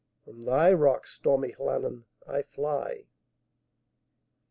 From thy rocks, stormy Llannon, I fly.